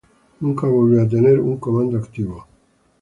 Nunca volvió a tener un comando activo.